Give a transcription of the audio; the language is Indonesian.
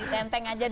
ditenteng aja dulu